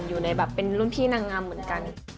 อยู่ในแบบเป็นรุ่นพี่นางงามเหมือนกัน